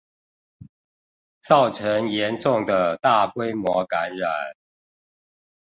造成嚴重的大規模感染